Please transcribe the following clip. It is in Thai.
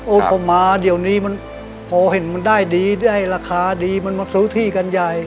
ก็มาเดี๋ยวนี้มันพอเห็นมันได้ดีได้ราคาดีมันมาซื้อที่กันใหญ่